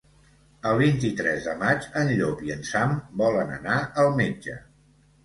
El vint-i-tres de maig en Llop i en Sam volen anar al metge.